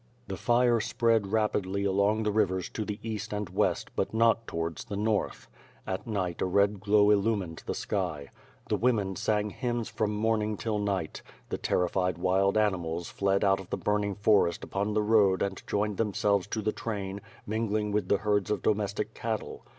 The fire spread rapidly along the rivers to the east and west, but not towards the north. At night a red glow illu mined the sky. The woman sang hymns from morning till night. The terrified wild animals fled out of the burning forest upon the road and joined themselves to the train, mingling with the herds of domestic cattle.